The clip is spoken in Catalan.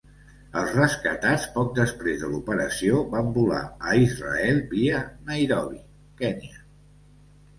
Els rescatats poc després de l'operació van volar a Israel via Nairobi, Kenya.